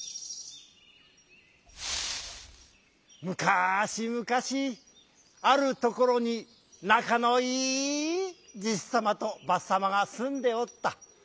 むかしむかしあるところになかのいいじさまとばさまがすんでおった。